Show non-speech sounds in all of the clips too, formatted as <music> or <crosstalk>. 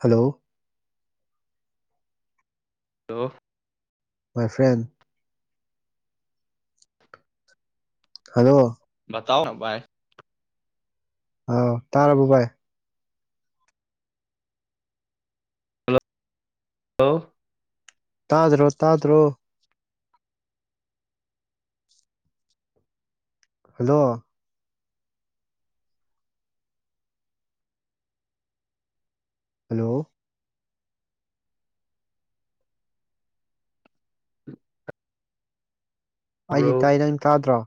Hello to my friend hello ꯑꯇꯥꯣ ꯅ ꯥꯏ ꯑꯥꯎ ꯇꯥꯔꯥꯔꯕꯣ ꯕꯥꯚꯥꯏ ꯍꯂꯣ ꯇꯥꯗ꯭ꯔꯣ ꯇꯥꯗ꯭ꯔꯣ ꯍꯜꯂꯣ ꯍꯂꯣ ꯑꯩꯗꯤ ꯇꯥꯕ꯭ꯔꯣ ꯇꯥꯏ ꯅꯪ ꯇꯥꯗ꯭ꯔꯣ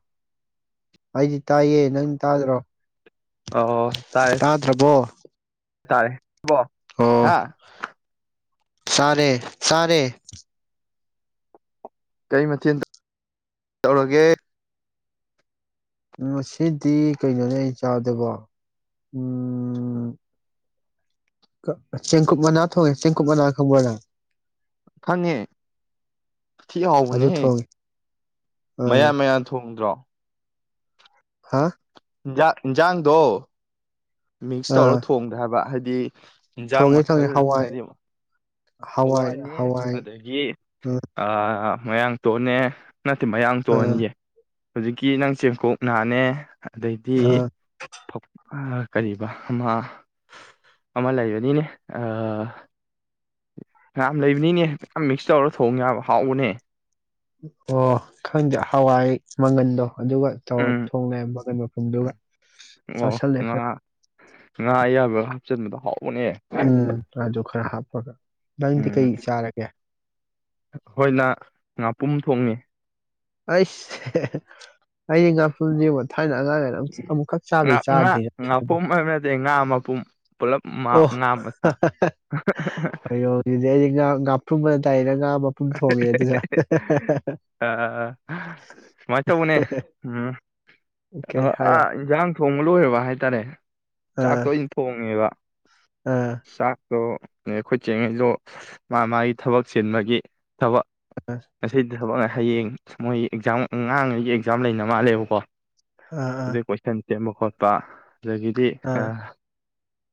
ꯑꯩꯗꯤ ꯇꯥꯏꯌꯦ ꯅꯪ ꯇꯥꯗ꯭ꯔꯣ ꯑꯣ ꯇꯥꯏ ꯇꯥꯗ꯭ꯔꯕꯣ ꯇꯥꯔꯦ ꯣ ꯍꯥ ꯁꯔꯦ ꯆꯔꯦ ꯀꯔꯤ ꯃꯊꯦꯜ ꯇꯧꯔꯒꯦ ꯉꯥꯁꯤꯗꯤ ꯀꯩꯅꯣꯅꯦ ꯑꯩ ꯆꯥꯕꯗꯨꯕꯨ ꯎꯝ ꯆꯦꯡꯀꯨꯞ ꯃꯅꯥ ꯊꯣꯡꯉꯦ ꯆꯦꯡꯀꯨꯞ ꯃꯅꯥ ꯈꯪꯕ꯭ꯔꯥ ꯅꯪ ꯈꯪꯉ‌ꯦ ꯊꯤ ꯑꯗꯨ ꯍꯥꯎꯕꯅꯦꯍ‌ꯦ ꯊꯣꯡꯉꯦ ꯑꯥ ꯃꯌꯥꯟ ꯃꯌꯥꯟ ꯊꯣꯡꯗ꯭ꯔꯣ ꯍꯥ ꯏꯟꯖꯥꯡ ꯏꯟꯖꯥꯡꯗꯣ ꯃꯤꯛꯁ ꯑꯥ ꯇꯧꯔ ꯊꯣꯡꯗ꯭ꯔꯥ ꯍꯥꯏꯕ ꯍꯥꯏꯗꯤ ꯏ ꯍꯤꯟꯖꯥꯡ ꯊꯣꯡꯉꯦ ꯊꯣꯡꯉꯦ ꯃꯈꯜ ꯍꯋꯥꯏ ꯍꯥꯏꯗꯤ ꯍꯋꯥꯏ ꯍꯋꯥꯢꯅꯦ ꯍꯋꯥꯏ ꯑꯗꯒꯤ ꯑꯥ ꯑꯥ ꯃꯌꯥꯡꯇꯣꯟꯅꯦ ꯅꯠꯇꯦ ꯑꯥ ꯃꯌꯥꯡꯇꯣꯟꯌꯦ꯫ ꯍꯨꯖꯤꯛꯀꯤ ꯅꯪ ꯆꯦꯡꯀꯣꯛ ꯅꯥꯅꯦ ꯑꯗꯩꯗꯤ ꯑꯥ ꯐꯛꯄꯥ ꯀꯔꯤꯕꯥ ꯑꯃ ꯑꯃ ꯂꯩꯕꯅꯤꯅꯦ ꯑꯥ ꯐꯅꯌꯥꯝ ꯂꯩꯕꯅꯤꯅꯦ ꯌꯥꯝ ꯃꯤꯛꯁ ꯇꯧꯔ ꯊꯣꯡ ꯌꯥꯕ ꯍꯥꯎꯕꯅꯦ꯫ ꯑꯣ ꯈꯪꯗꯦ ꯍꯋꯥꯏ ꯃꯪꯒꯟꯗꯣ ꯑꯗꯨꯒ ꯇꯧꯔ ꯎꯝ ꯊꯣꯡ ꯂꯩꯔꯝꯕ ꯀꯩꯅꯣ ꯐꯨꯝꯗꯨꯒ ꯎꯝ ꯑꯣ ꯆꯥꯥꯁꯜꯂꯦ ꯉꯥ ꯈꯔ꯫ ꯉꯥ ꯑꯌꯥꯕꯒ ꯍꯥꯞꯆꯤꯟꯕꯗ ꯍꯥꯎ ꯎꯝ ꯑꯗꯨ ꯈꯔ ꯍꯥꯞ <inaudible> ꯅꯪꯗꯤ ꯀꯩ ꯎꯝ ꯆꯥꯔꯒꯦ? ꯄꯨꯝ ꯊꯣꯡꯉꯦ ꯑꯩꯁ ꯑꯩꯗꯤ ꯉꯥꯄꯨꯝꯖꯦꯉꫭ ꯊꯥꯏꯅ ꯑꯉꯥꯡ ꯑꯣꯢꯉꯥꯢꯅ ꯑꯝ ꯑꯃꯨꯛꯈꯛ ꯉꯥ ꯆꯥꯕꯗꯩ ꯆꯥꯗ꯭ꯔꯤꯅ <inaudible> ꯄꯨꯝ ꯑꯣ ꯍꫭꯏꯔꫭꯡ ꯖꯤꯗꯤ ꯑꯩꯗꯤ ꯉꯥ ꯉꯥꯄ꯭ꯔꯨꯝꯑꯅ ꯂꯩꯔꯒ ꯑ ꯁꯨꯃꯥꯏꯅ ꯇꯧꯕꯅꯦ ꯎꯝ ꯀꯩ ꯍꯥꯏꯌꯣ ꯏꯟꯁꯥꯡ ꯊꯣꯡꯕ ꯂꯣꯏꯔꯕ ꯍꯥꯏꯇꯥꯔꯦ ꯑꯥ ꯆꯥꯛꯇ ꯑꯩꯅ ꯊꯣꯡꯉꯦꯕ ꯑꯥ ꯑꯗꯣ ꯑꯩꯈꯣꯏ ꯆꯩ ꯉꯩꯖꯨ ꯃꯥ ꯃꯥꯒꯤ ꯊꯕꯛ ꯆꯤꯟꯕꯒꯤ ꯊꯕꯛ ꯑꯥ ꯑꯁꯤꯗ ꯊꯕꯛ ꯍꯌꯦꯡ ꯃꯣꯏ ꯑꯦꯛꯖꯥꯝ ꯑꯉꯥꯡꯉꯩꯒꯤ ꯑꯦꯛꯖꯥꯝ ꯂꯩꯅ ꯃꯥꯜꯂꯦꯕꯀꯣ ꯑꯥ ꯑꯗꯨꯏ ꯀꯣꯏꯁꯟ ꯁꯦꯝꯕ ꯈꯣꯠꯄ ꯑꯗꯨꯗꯒꯤꯗꯤ ꯑ ꯑꯥ ꯑꯥ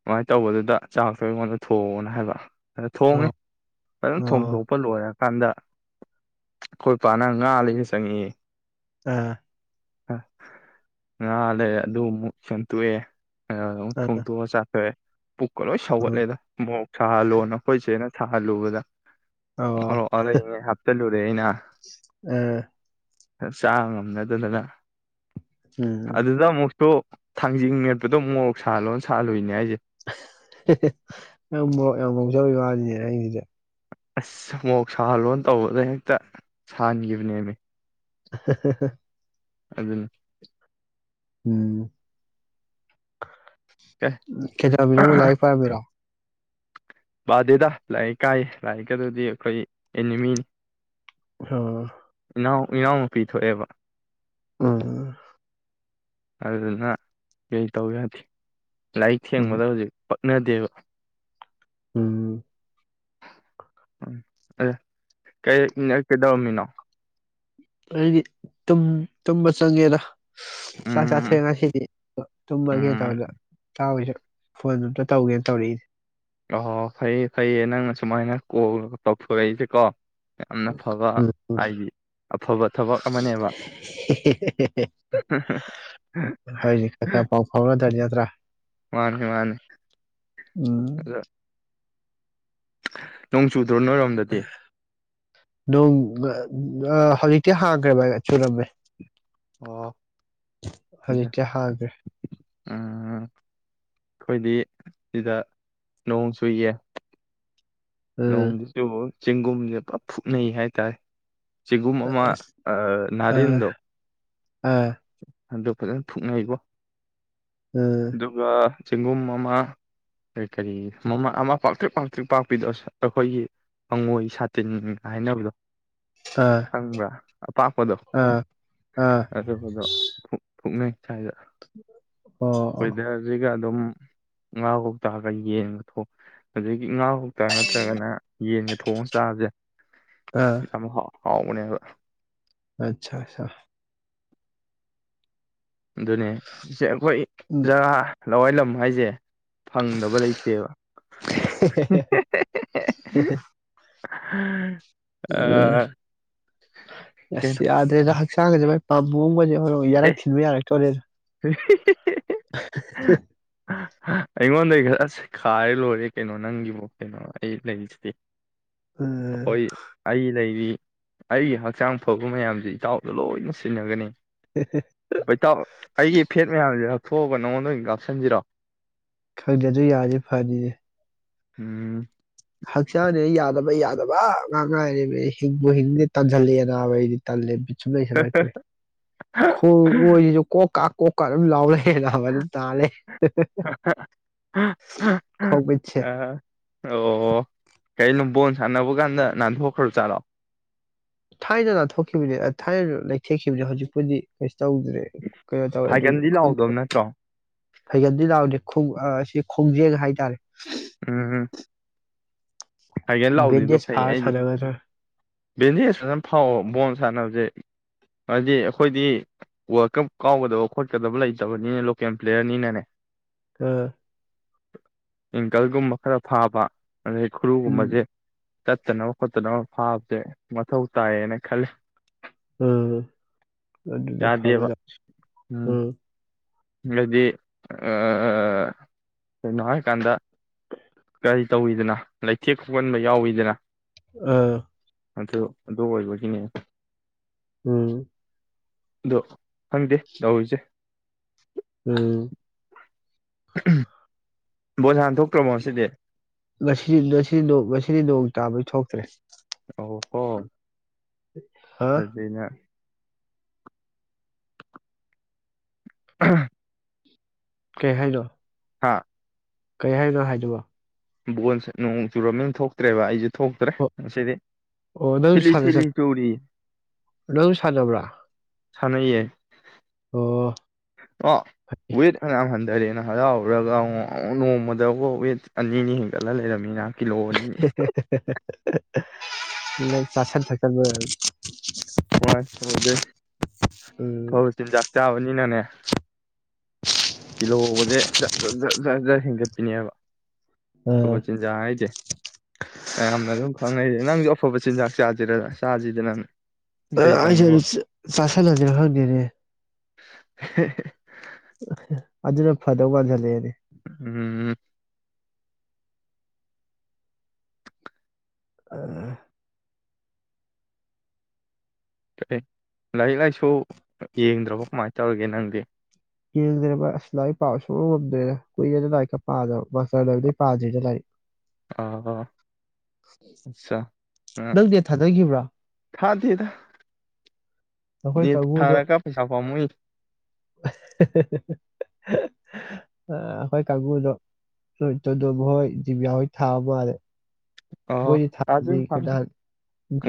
ꯁꯨꯃꯥꯏꯅ ꯇꯧꯕꯗꯨꯗ ꯆꯥꯛꯇꯣ ꯑꯩꯉꯣꯟꯗ ꯊꯣꯡꯑꯣꯅ ꯍꯥꯏꯕ ꯑꯗ ꯊꯣꯡꯉꯦ ꯑꯣ ꯐꯖꯅ ꯑꯣ ꯊꯣꯡꯗꯣꯛꯄ ꯂꯣꯏꯔ ꯀꯥꯟꯗ ꯑꯩꯈꯣꯏ ꯏꯄꯥꯅ ꯉꯥ ꯂꯩꯔ ꯆꯪꯉꯛꯑꯦ ꯑꯥ ꯑ ꯉꯥ ꯂꯩꯔ ꯑꯗꯨ ꯑꯃꯨꯛ ꯁꯦꯝꯇꫭꯛ ꯑꯦ ꯑꯗꯨꯒ ꯑꯃꯨꯛ ꯑꯥ ꯊꯣꯡꯗꯣꯛꯑ ꯆꯊꫭꯛ ꯑꯦ ꯄꯨꯛꯀ ꯂꯣꯏ ꯁꯧꯒꯠꯂꯦꯗ ꯃꯣꯛ ꯁꯥꯍꯜꯂꯣꯅ ꯑꯩꯈꯣꯏ ꯆꯦꯅ ꯊꯜꯂꯨꯕꯗ ꯑꯣ ꯑꯌꯩꯕꯉꯩ ꯍꯥꯞꯆꯤꯜꯂꯨꯔꯦ ꯑꯩꯅ ꯑꯥ ꯆꯥꯉꯝꯅꯗꯗꯅ ꯎꯝ ꯑꯗꯨꯗ ꯑꯃꯨꯛ ꯁꯣ ꯊꯥꯡꯖꯤꯡ ꯃꯦꯠꯄꯗꯣ ꯃꯣꯔꯣꯛ ꯁꯥꯜꯂꯣꯅ ꯁꯥꯜꯍꯜꯂꯨꯏꯅꯦ ꯍꯥꯏꯁꯦ <unintelligible> ꯅꯪ ꯃꫭꯔꫭꯛ ꯌꯥꯝ ꯃꫭꯔꫭꯛ ꯆꯥꯕꯩ ꯋꯥꯅꯤꯅꯦ ꯅꯪꯖꯤꯗꯤ ꯑꯁ ꯃꯣꯔꯣꯛ ꯁꯥꯍꯜꯂꯣ ꯇꯧꯕꯗ ꯍꯦꯛꯇ ꯁꯥꯍꯟꯈꯤꯕꯅꯦꯃꯤ <inaudible> ꯑꯗꯨꯅꯦ ꯎꯝ ꯑꯦ ꯀꯩꯗꯧꯔꯝꯃꯤꯅꯣ ꯂꯩꯔꯤꯛ ꯄꯥꯔꯝꯃꯤꯔꯣ ꯄꯥꯗꯦꯗ ꯂꯥꯏꯔꯤꯛ ꯀꯥꯏꯌꯦ ꯂꯥꯏꯔꯤꯛꯀ ꯑꯗꯨꯗꯤ ꯑꯩꯈꯣꯏ ꯑꯦꯅꯤꯃꯤꯅꯤ ꯑꯣ ꯏꯅꯥꯎ ꯏꯅꯥꯎꯅꯨꯄꯤ ꯊꯣꯛꯑꯦꯕ ꯎꯝ ꯑꯗꯨꯅ ꯀꯩ ꯇꯧ ꯌꯥꯗꯦ ꯂꯥꯏꯔꯤꯛ ꯎꯝ ꯊꯦꯡꯕꯗ ꯍꯧꯖꯤꯛ ꯍꯩꯅꯗꯦꯕ ꯎꯝ ꯎꯝ ꯑꯦ ꯀꯩꯗꯧꯔꯝꯃꯤꯅꯣ ꯑꯩꯗꯤ ꯇꯨꯝꯕ ꯆꯪꯉꯦꯗ ꯆꯥꯛ ꯆꯥꯕ ꯎꯝ ꯊꯦꯡꯉꯦ ꯉꯁꯤꯗꯤ ꯇꯨꯝꯃꯒꯦ ꯎꯝ ꯇꯧꯕ ꯐꯣꯟꯗꯨ ꯑꯝꯇ ꯇꯧꯒꯦꯅ ꯇꯧꯔꯛꯏꯁ ꯑꯣ ꯐꯩꯌꯦ ꯐꯩꯌꯦ ꯅꯪ ꯑꯁꯨꯨꯃꯥꯏꯅ ꯀꯣꯜ ꯇꯧꯊꯣꯔꯛꯏꯁꯦ ꯀꯣ ꯌꯥꯝꯅ ꯐꯕ ꯎꯝ ꯎꯝ ꯍꯥꯏꯗꯤ ꯑꯐꯕ ꯊꯕꯛ ꯑꯃꯅꯦꯕ ꯍꯧꯖꯤꯛ ꯈꯔ ꯈꯔ ꯄꯥꯎ ꯐꯥꯎꯅꯗ꯭ꯔꯗꯤ ꯅꯠꯇ꯭ꯔꯥ ꯃꯥꯅꯤ ꯃꯥꯅꯤ ꯎꯝ ꯑꯗꯣ ꯅꯣꯡ ꯆꯨ ꯅꯣꯡ ꯑ ꯍꯧꯖꯤꯛꯇꯤ ꯍꯥꯡꯈ꯭ꯔꯦ ꯚꯥꯏ ꯆꯨꯔꯝꯃꯦ ꯑꯣ ꯎꯝ ꯑꯗꯨꯖꯤꯇ ꯍꯥꯏꯒ꯭ꯔꯦ ꯑꯩꯈꯣꯏꯗꯤ ꯁꯤꯗ ꯅꯣꯡ ꯆꯨꯏꯌꯦ ꯎꯝ ꯅꯣꯡꯃꯗꯁꯨꯣ ꯆꯦꯡꯒꯨꯝꯁꯦ ꯄꯞ ꯐꯨꯛꯅꯩ ꯍꯥꯏꯇꯥꯔꯦ ꯁꯤꯒꯨꯝ ꯑꯃ ꯑꯁ ꯑꯃ ꯅꯥꯔꯤꯟꯗꯣ ꯎꯝ ꯑꯗꯣ ꯐꯖꯅ ꯊ ꯊꯣꯛꯅꯩꯀꯣ ꯎꯝ ꯑꯗꯨꯒꯒꯥ ꯆꯦꯡꯒꯨꯝ ꯑꯃ ꯀꯔꯤ ꯃꯃ ꯑꯃ ꯄꯥꯛꯇ꯭ꯔꯤꯛ ꯄꯥꯛꯇ꯭ꯔꯤꯛ ꯄꯥꯛꯄꯤꯗꯣ ꯑ ꯑꯩꯈꯣꯏꯒꯤ ꯄꯪꯉꯣꯏ ꯁꯥꯇꯤꯟꯒ ꯍꯥꯏꯅꯕꯗꯣ ꯑꯥ ꯁꯪꯕ꯭ꯔꯥ ꯑꯄꯥꯛꯄꯗꯣ ꯑꯥ ꯑꯥ ꯑꯗꯨꯄꯗꯣ ꯐꯣꯛꯅꯩ ꯁ꯭ꯋꯥꯏꯗ ꯑꯣ ꯑꯣ ꯋꯦꯗꯔꯁꯤꯒ ꯑꯗꯨꯝ ꯉꯥ ꯐꯥꯎ ꯇꯥꯒ ꯌꯦꯟꯉ ꯊꯣꯛ ꯑꯗꯨꯗꯒꯤ ꯉꯥ ꯍꯥꯎꯇ ꯅꯠꯇ꯭ꯔꯒꯅ ꯌꯦꯟꯒ ꯊꯣꯡꯉ ꯆꯥꯕꯁꯦ ꯑꯥ ꯌꯥꯝ ꯍꯥꯎ ꯍꯥꯎ ꯎꯅꯦ ꯑꯆꯥ ꯑꯆꯥ ꯑꯗꯨꯅꯦ ꯍꯈꯣꯏ ꯎꯝ ꯖꯒꯥ ꯍꯜꯂꯣꯋꯥꯏ ꯂꯝ ꯍꯥꯏꯁꯦ ꯐꯪꯗꯕ ꯂꯩꯇꯦꯕ ꯎꯝ ꯎꯝ ꯌꯥ ꯀꯩꯅꯣ ꯌꯥꯗ ꯁꯥꯡꯒꯦꯥꯏ ꯄꯕꯕꯨꯕ ꯌꯥꯔꯛ ꯊꯤꯟꯕ ꯌꯥꯔꯛꯇꯣꯔꯦ ꯍ <inaudible> ꯑꯩꯉꯣꯟꯗꯒꯤꯩ ꯈꯔ ꯑꯁ ꯈꯥꯔꯦ ꯂꯣꯏꯔꯦ ꯀꯩꯅꯣ ꯅꯪꯒꯤꯕꯨ ꯀꯩꯅꯣ ꯑꯩ ꯂꯩꯔꯤꯁꯤꯗꯤ ꯎꯝ ꯑꯩꯈꯣꯏ ꯑꯩ ꯂꯩꯕꯤ ꯑꯩꯒꯤ ꯍꯛꯆꯥꯡ ꯐꯕ ꯃꯌꯥꯝꯁ ꯏꯇꯥꯎꯗ ꯂꯣꯏꯅ ꯁꯤꯟꯅꯒꯅꯤ ꯩꯇ ꯑꯩꯒꯤ ꯐꯦꯠ ꯃꯌꯥꯝꯁꯦ ꯊꯣꯛꯑꯒ ꯅꯉꯣꯟꯗ ꯑꯣꯏꯅ ꯀꯥꯞꯁꯤꯟꯁꯤꯔꯣ ꯈꯪꯖꯁꯨ ꯌꯥꯁꯦ ꯐꯔꯤꯁꯦ ꯎꯝ ꯍꯛꯆꯥꯡꯅꯦꯅ ꯌꯥꯗꯕ ꯌꯥꯗꯕ ꯉꯥꯡ ꯉꯥꯏꯔꯤ ꯍꯤꯡꯕꯨ ꯍꯤꯡꯗꯤ ꯇꯟꯓꯜꯜꯂꯤ ꯑꯅꯥꯕꯩꯗꯤ ꯇꯜꯂꯦ ꯁꯨꯗ ꯆꯂꯥꯏꯇꯔꯤ ꯀꯣ ꯀꯥ ꯀꯣꯛꯀꯥꯔ ꯑꯗꯨ ꯂꯥꯎꯔꯦ ꯕꯗ ꯇꯥꯔꯦ ꯈꯣꯄꯁ ꯀꯔꯤꯩꯅꯣ ꯕꯣꯟ ꯁꯥꯟꯅꯕ ꯀꯥꯟꯗ ꯅꯥꯟꯊꯣꯛꯈ꯭ꯔꯣ ꯆꯥꯠꯂꯣꯑꯣ ꯊꯥꯏꯅ ꯂꯥꯟꯊꯣꯛꯈꯤꯕꯅꯦ ꯊꯥꯏꯅ ꯂꯩꯊꯦꯛꯈꯤꯕꯅꯦ ꯍꯧꯖꯤꯛꯄꯨꯗꯤ ꯀ ꯇꯧꯗ꯭ꯔꯦ ꯀꯩꯅꯣ ꯇꯧꯋꯦ ꯐꯥꯏꯒꯟꯗꯤ ꯑꯗꯨꯁꯨꯪ ꯂꯥꯎꯗꯕ ꯅꯠꯇ꯭ꯔꯣ ꯐꯩꯒꯟꯗꯤ ꯂꯥꯛꯗꯦꯣꯡ ꯁꯤ ꯈꯣꯡꯖꯦꯛ ꯍꯥꯏꯇꯥꯔꯦ ꯎꯝ ꯍꯥꯏꯒꯦꯅ ꯂꯥꯛꯗꯗꯣ ꯕꯦꯟꯗꯦꯖ ꯐꯩꯌꯦ ꯐꯥꯔ ꯑꯩꯗꯤ ꯁꯥꯟꯅꯒꯗ꯭ꯔꯥ ꯕꯦꯟꯗꯦꯖ ꯐꯖꯅ ꯐꯥꯎ ꯕꯣꯣꯟ ꯁꯥꯟꯅꯕꯁꯦ ꯍꯥꯏꯗꯤ ꯑꯩꯈꯣꯏꯗꯤ ꯋꯥꯔꯜ ꯀꯞ ꯀꯥꯎꯒꯗꯕ ꯈꯣꯠꯀꯗꯕ ꯂꯩꯇꯕꯅꯤꯅ ꯂꯣꯀꯦꯜ ꯄ꯭ꯂꯦꯌꯔꯅꯤꯅꯅꯦ ꯑꯥ ꯑꯦꯡꯀꯜꯒꯨꯝꯕ ꯈꯔ ꯐꯥꯕ ꯑꯩ ꯈꯨꯔꯨꯒꯨꯝꯃꯁꯦ ꯇꯠꯇꯅꯕ ꯈꯣꯠꯇꯅꯕ ꯐꯥꯕꯁꯦ ꯃꯊꯧ ꯇꯥꯏꯌꯦꯅ ꯈꯜꯂꯤ ꯎꯝ ꯑꯗꯨ ꯑꯗꯨꯗ ꯐꯕ ꯌꯥꯗꯦꯕ ꯂ ꯎꯝ ꯍꯥꯏꯗꯤ ꯀꯅꯣ ꯍꯥꯏ ꯀꯥꯟꯗ ꯀꯔꯤ ꯇꯧꯋꯤꯗꯅ ꯂꯩꯊꯦꯛ ꯈꯣꯒꯟꯕ ꯌꯥꯎꯋꯤꯗꯅ ꯑꯥ ꯑ ꯑꯗꯨꯣ ꯑꯗꯨ ꯑꯣꯏꯕꯒꯤꯅꯦ ꯎꯝ ꯑꯗꯣ ꯍꯪꯗꯦ ꯂꯧꯧꯔꯤꯁꯦ ꯎꯝ ꯕꯣꯁ ꯍꯥꯟ ꯊꯣꯛꯇ꯭ꯔꯃꯣ ꯁꯤꯗꯤ ꯉꯁꯤꯗꯤ ꯉꯁꯤꯗꯤ ꯉꯁꯤꯗꯤ ꯅꯣꯡ ꯇꯥꯕꯩ ꯊꯣꯛꯇ꯭ꯔꯦ ꯑ ꯍꯣ ꯑ ꯍꯥ ꯆꯩꯩꯅ ꯑ ꯀꯩ ꯍꯥꯏꯥꯏ ꯂꯣ ꯍꯥꯥ ꯀꯩ ꯍꯥꯏꯅꯣ ꯍꯥꯏꯗꯕ ꯕꯣꯟꯁꯦ ꯅꯣꯡ ꯆꯨꯔꯝꯃꯤ ꯊꯣꯛꯇ꯭ꯔꯦꯕ ꯑꯩꯁꯨ ꯊꯣꯛꯇ꯭ꯔꯦ ꯑꯣ ꯑꯁꯤꯗꯤ ꯑꯣ ꯅꯪ ꯊꯤꯂꯤ ꯁꯥꯟꯅ ꯊꯤꯂꯤ ꯆꯠ ꯆꯨꯔꯤ ꯅꯪ ꯁꯥꯟꯅꯕ꯭ꯔꯥ ꯁꯅꯌꯦ ꯑꯣ ꯑ ꯐꯩ ꯑꯣꯏꯣꯏ ꯍꯟꯗꯔ ꯍꯔꯥꯎꯔꯒ ꯑꯃꯨ ꯅꯣꯡꯃꯗꯐꯥꯎ ꯋꯦꯠ ꯑꯅꯤ ꯑꯅꯤ ꯍꯦꯟꯒꯠꯂ ꯂꯩꯔꯝꯃꯤꯅ ꯀꯤꯂꯣ ꯑꯅꯤ <inaudible> ꯆꯥꯁꯟ ꯊꯠꯕꯨ ꯍꯣꯏ ꯐꯣꯏꯗꯣꯏ ꯎꯝ ꯐꯧ ꯆꯤꯟꯖꯥꯛ ꯆꯥꯕꯅꯤꯅꯅꯦ ꯇꯤꯜꯍꯧꯕꯁꯦꯖꯠ ꯖꯠ ꯖꯠ ꯖꯠ ꯖꯠ ꯍꯦꯟꯒꯠꯄꯤꯅꯦꯕ ꯑꯥ ꯑꯐꯕ ꯆꯤꯟꯖꯥꯛ ꯍꯥꯏꯁꯦ ꯃꯌꯥꯝꯅ ꯑꯗꯨꯝ ꯈꯪꯅꯩꯁꯦ ꯅꯪꯒꯤ ꯑꯐꯕ ꯆꯤꯟꯖꯥꯛ ꯆꯥꯖꯔ ꯆꯖꯗꯦ ꯅꯥꯟ ꯑ ꯑꯩꯁꯨ ꯑꯗꯨ ꯆꯁꯗ ꯍꯗꯔꯅꯦ ꯍ ꯑ ꯑꯗꯨꯅ ꯐꯥꯗꯣꯃꯂ ꯎꯝ ꯎꯝ ꯑ ꯀ ꯂꯥꯏꯔꯤꯛ ꯂꯥꯏꯁꯨ ꯌꯦꯡꯗ꯭ꯔꯕꯣ ꯀꯃꯥꯏꯅ ꯇꯧꯔꯤꯒꯦ ꯅꯪꯗꯤ ꯌꯦꯡꯗ꯭ꯔꯕ ꯑꯁ ꯂꯥꯏꯔꯤꯛ ꯄꯥ ꯁꯣꯛꯕ ꯉꯝꯗ꯭ꯔꯦꯅ ꯀꯨꯏꯔꯦꯅ ꯂꯥꯏꯔꯤꯛꯀ ꯄꯥꯗꯕ ꯃꯥꯁꯇꯔꯗꯕꯩꯥꯗꯣꯏꯗ ꯂꯥꯏꯔꯤꯛ ꯑ ꯑꯆꯥ ꯑ ꯅꯪ ꯅꯦꯠ ꯊꯥꯗꯈꯤꯕ꯭ꯔꯥ ꯊꯥ ꯊ ꯅꯈꯣꯏ ꯊ ꯀꯥꯡꯕꯨꯗꯣ ꯊꯥꯔ ꯀ ꯄꯩꯁꯥ ꯀꯃꯏ ꯑꯩꯈꯣꯏ ꯀꯥꯡꯕꯨꯗꯣꯣꯏ ꯇꯗ ꯃꯈꯣꯏ ꯖꯤꯕꯤꯌꯥ ꯍꯣꯏ ꯊꯥꯕ ꯃꯥꯜꯂꯦ ꯑꯣ ꯃꯣꯏꯗꯤ ꯀ ꯊꯥꯕꯅꯤ ꯐ ꯑꯩꯈꯣꯏ ꯅꯍꯥꯟ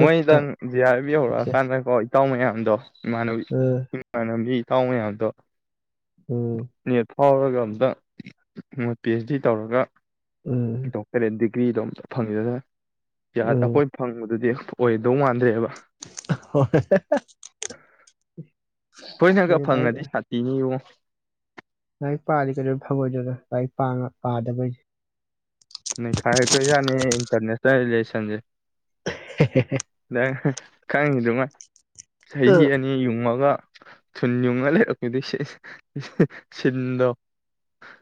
ꯃ ꯖꯤꯌꯥꯔꯕꯤ ꯍꯧꯧꯔ ꯏꯁꯦ ꯁꯥꯟꯅ ꯀꯣ ꯇꯥꯎ ꯃꯌꯥꯝꯗꯣ ꯃꯥꯅꯕꯤ ꯎꯝ ꯃꯥꯅꯕꯤ ꯊꯥꯎ ꯃꯌꯥꯝꯗꯣ ꯎꯝ ꯅꯦꯠ ꯐꯥꯎꯔꯒ ꯑꯝꯇ ꯃꯣꯏ ꯄꯤ ꯑꯩꯆ ꯗꯤ ꯇꯧꯔꯒ ꯎꯝ ꯗꯣꯛꯇꯔ ꯑꯦ ꯀ꯭ꯔꯤꯗꯣꯝ ꯐꯪꯉꯖꯗꯔꯦ ꯌꯥ ꯎꯝ ꯑꯩꯈꯣꯏ ꯐꯪꯕꯗꯨꯗꯤ ꯑꯣꯏꯗꯧ ꯃꯥꯟꯗ꯭ꯔꯦꯕ ꯍ ꯍꯣꯏꯅꯒ ꯐꯪꯉꯗꯤ ꯁꯥꯊꯤꯅꯤꯉꯣ ꯂꯥꯏꯔꯤꯛ ꯄꯥꯔꯤ ꯀꯩꯗꯧꯔ ꯐꯕꯣꯏꯗꯨꯗ ꯂꯥꯏꯔꯤꯛ ꯄꯥꯗꯕꯩꯁ ꯅꯩꯈꯥꯏ ꯗꯣꯏꯖꯠꯅꯦ ꯂꯩ ꯂꯩꯁꯟꯁꯦ ꯈꯪꯉꯤꯗꯨ ꯆꯍꯤ ꯑꯅꯤ ꯌꯨꯡꯉꯒ ꯊꯨ ꯌꯨꯉ ꯂꯩꯔꯛꯗꯤ ꯁꯤꯟꯗꯣ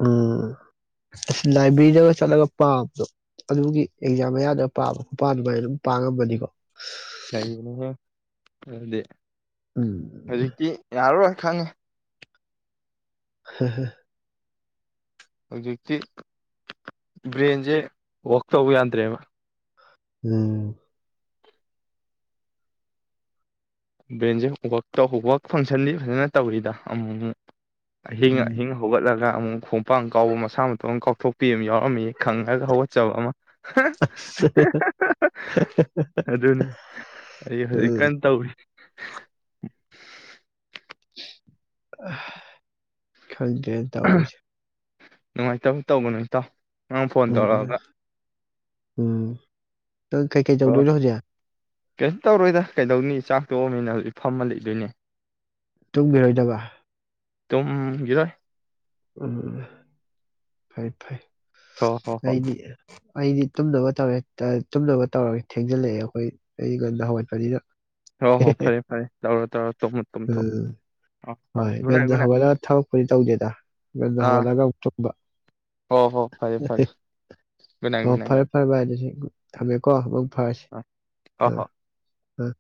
ꯎꯝ ꯑꯁ ꯂꯥꯏꯕ꯭ꯔꯦꯔꯤꯗꯒ ꯆꯠꯂꯒ ꯄꯥꯝꯕꯗꯣ ꯑꯗꯨꯒꯤ ꯑꯦꯛꯖꯥꯝ ꯑꯌꯥꯗꯒ ꯄꯥꯝꯕ ꯃꯄꯥ ꯑꯗꯨꯃꯥꯏꯅ ꯑꯗꯨꯝ ꯄꯥꯉꯝꯕꯅꯤꯀꯣ ꯀꯩꯅꯦ ꯑꯗꯦ ꯎꯝ ꯍꯧꯖꯤꯛꯇ ꯌꯥꯔꯣꯏ ꯈꯪꯉꯤ ꯍ ꯍꯧꯖꯤꯛꯇꯤ ꯕ꯭ꯔꯦꯟꯁꯦ ꯋꯛ ꯇꯧꯕ ꯌꯥꯗ꯭ꯔꯦꯕ ꯎꯝ ꯕ꯭ꯔꯦꯟꯁꯦ ꯋꯛ ꯇꯧ ꯋꯥꯛ ꯐꯪꯁꯟꯗꯤ ꯐꯖꯅ ꯇꯧꯔꯤꯗ ꯑꯃꯨꯛ ꯑꯥꯍꯤꯡ ꯎꯝ ꯑꯥꯍꯤꯡ ꯍꯣꯠ ꯂꯒ ꯑꯃꯨꯛ ꯈꯣꯡꯄꯥꯡ ꯀꯥꯎꯕ ꯃꯁꯥ ꯃꯇꯣ ꯀꯥꯎꯊꯣꯛꯄꯤ ꯑꯃ ꯌꯥꯎꯔꯝꯃꯤ ꯈꯪꯉꯒ ꯍꯧꯒꯠꯆꯕ ꯑꯃ ꯑꯗꯨꯅꯤ ꯑꯩ ꯍꯧꯖꯤꯛ ꯎꯝ ꯀꯟꯅ ꯇꯧꯏ ꯑ ꯈꯪꯗꯦ ꯇꯧꯔꯤꯁꯦ ꯅꯨꯡꯉꯥꯏꯇꯕ ꯇꯧꯒꯥ ꯅꯨ ꯏꯇꯥꯎ ꯅꯡ ꯐꯣꯟ ꯎꯝ ꯇꯧꯔꯑꯒ ꯎꯝ ꯅꯪ ꯀꯩꯀꯩ ꯇꯧꯗꯣꯏꯅꯣ ꯍꯧꯖꯤꯛ ꯀꯩꯝꯇ ꯇꯧꯔꯣꯏꯗ ꯀꯩꯗꯧꯅꯤ ꯆꯥꯛ ꯇꯣꯛꯑꯃꯤꯅ ꯐꯝꯃ ꯂꯤꯗꯣꯏꯅꯦ ꯇꯨꯝꯕꯤꯔꯣꯏꯗꯕ ꯇꯝ ꯌꯦꯗ ꯎꯝ ꯐꯩ ꯐꯩ ꯍꯣ ꯍꯣ ꯍꯣꯏ ꯑꯩꯗꯤ ꯑꯩꯗꯤ ꯇꯨꯝꯗꯕ ꯇꯧꯋꯦ ꯇꯨꯝꯅꯕ ꯇꯧꯔꯒ ꯊꯦꯡꯖꯤꯜꯂꯛꯑꯦ ꯑꯩꯈꯣꯏ ꯑꯩꯉꯥꯟꯅ ꯍꯧꯒꯠꯄꯅꯤꯅ ꯍꯣ ꯍꯣ ꯐꯔꯦ ꯐꯔꯦ ꯇꯧꯔꯣ ꯇꯧꯔꯣ ꯇꯨꯝꯃꯨ ꯇꯨꯝꯊꯣꯛꯑꯣ ꯎꯝ ꯐꯔꯦ ꯍꯣꯏ ꯒꯨꯠ ꯅꯥꯏꯠ ꯉꯥꯟꯅ ꯒꯨꯠ ꯅꯥꯏꯠ ꯍꯧꯒꯠꯂꯒ ꯊꯕꯛꯄꯨꯗꯤ ꯇꯧꯗꯦꯗ ꯉꯥꯟꯅ ꯑꯥ ꯍꯧꯒꯠꯂꯒ ꯑꯃꯨꯛ ꯇꯨꯝꯕ ꯍꯣ ꯍꯣ ꯐꯔꯦ ꯐꯔꯦ ꯒꯨꯠ ꯅꯥꯏꯠ ꯑꯣ ꯒꯨꯠ ꯅꯥꯏꯠ ꯐꯔꯦ ꯒꯨꯠ ꯐꯔꯦ ꯐꯚꯥꯏ ꯑꯗꯨꯗꯤ ꯊꯝꯃꯦꯀꯣ ꯃꯪ ꯐꯔꯁꯤ ꯑꯥ ꯍꯣ ꯍꯣ ꯎꯝ ꯎꯝ